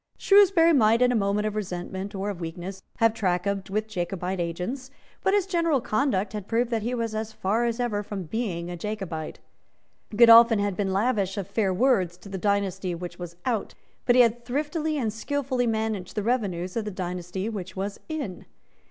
Shrewsbury might, in a moment of resentment or of weakness, have trafficked with Jacobite agents; but his general conduct had proved that he was as far as ever from being a Jacobite. Godolphin had been lavish of fair words to the dynasty which was out; but he had thriftily and skilfully managed the revenues of the dynasty which was in.